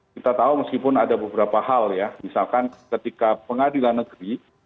kita tahu meskipun ada beberapa hal ya misalkan ketika pengadilan negeri